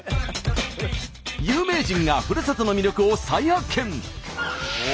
有名人がふるさとの魅力を再発見！